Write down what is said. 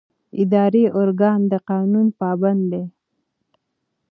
اداري ارګان د قانون پابند دی.